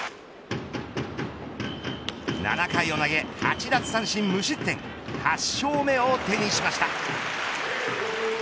７回を投げ、８奪三振無失点８勝目を手にしました。